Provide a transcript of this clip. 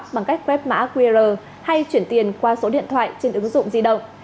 bằng cách quét mã qr hay chuyển tiền qua số điện thoại trên ứng dụng di động